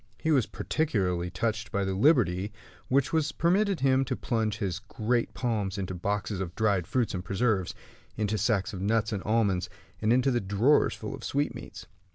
He was particularly touched by the liberty which was permitted him to plunge his great palms into the boxes of dried fruits and preserves, into the sacks of nuts and almonds, and into the drawers full of sweetmeats.